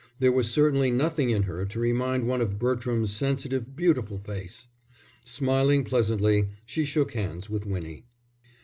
There was certainly nothing in her to remind one of Bertram's sensitive, beautiful face. Smiling pleasantly, she shook hands with Winnie.